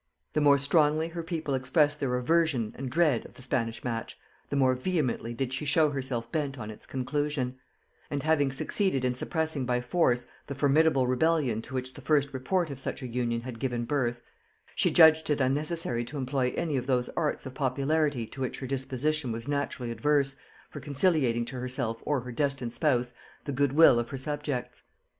The more strongly her people expressed their aversion and dread of the Spanish match, the more vehemently did she show herself bent on its conclusion; and having succeeded in suppressing by force the formidable rebellion to which the first report of such an union had given birth, she judged it unnecessary to employ any of those arts of popularity to which her disposition was naturally adverse, for conciliating to herself or her destined spouse the good will of her subjects.